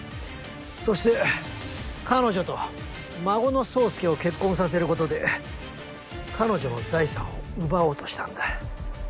そして彼女と孫の宗介を結婚させることで彼女の財産を奪おうしたんだ。